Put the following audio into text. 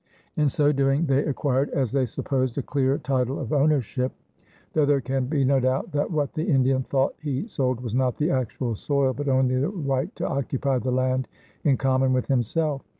In so doing they acquired, as they supposed, a clear title of ownership, though there can be no doubt that what the Indian thought he sold was not the actual soil but only the right to occupy the land in common with himself.